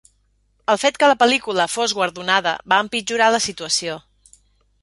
El fet que la pel·lícula fos guardonada va empitjorar la situació.